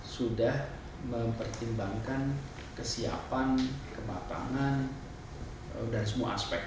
sudah mempertimbangkan kesiapan kematangan dan semua aspek